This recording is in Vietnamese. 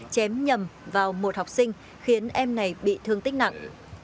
chém nhầm vào một học sinh khiến em này bị thương tích nặng